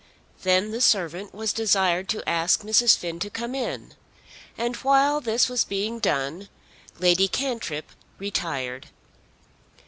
Then the servant was desired to ask Mrs. Finn to come in; and while this was being done Lady Cantrip retired.